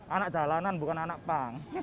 anak jalanan bukan anak pang